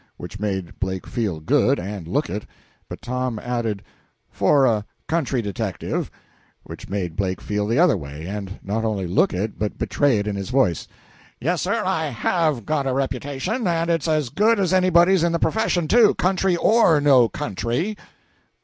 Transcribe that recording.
which made Blake feel good, and look it; but Tom added, "for a country detective" which made Blake feel the other way, and not only look it, but betray it in his voice "Yes, sir, I have got a reputation; and it's as good as anybody's in the profession, too, country or no country."